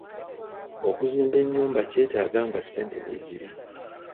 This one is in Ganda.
Okuzimba ennyumba kyetaaga nga ssente weeziri.